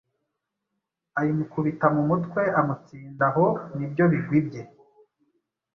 ayimukubita mu mutwe amutsindaho nibyo bigwi bye